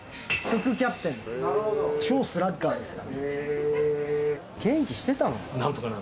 超スラッガーですから。